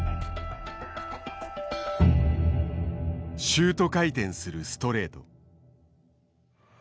シュート回転するストレート。